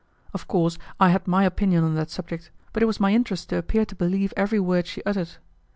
Of course I had my opinion on that subject, but it was my interest to appear to believe every word she uttered.